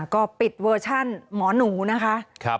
ก็ปิดเวอร์ชั่นหมอหนูนะคะ